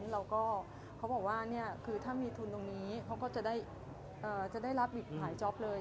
แล้วก็เขาบอกว่าคือถ้ามีทุนตรงนี้เขาก็จะได้รับบิดขายจ๊อปเลย